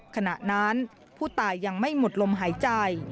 ขณะนั้นผู้ตายยังไม่หมดลมหายใจ